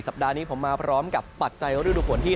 สัปดาห์นี้ผมมาพร้อมกับปัจจัยภาพธุฝนฮี่